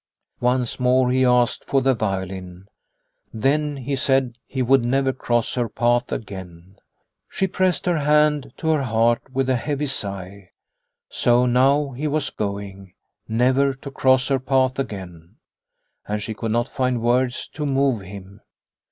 Once more he asked for the violin. Then, he said, he would never cross her path again. She pressed her hand to her heart with a heavy sigh. So now he was going, never to cross her path again ! And she could not find words to move him.